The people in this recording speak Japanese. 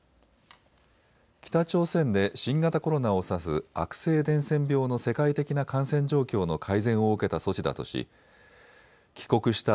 北朝鮮で新型コロナを指す悪性伝染病の世界的な感染状況の改善を受けた措置だとし帰国した